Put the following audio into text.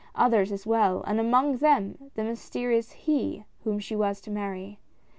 others as well, and among them the mysterious he whom she was to marry ?